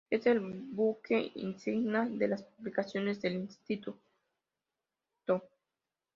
Es el buque insignia de las publicaciones del Instituto.